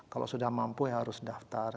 kalau sudah mampu ya harus daftar